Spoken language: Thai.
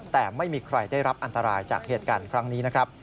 แต่ไม่มีใครได้รับอันตรายจากเหตุการณ์ครั้งนี้นะครับ